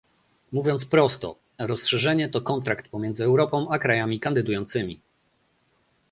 Mówiąc prosto, rozszerzenie to kontrakt pomiędzy Europą a krajami kandydującymi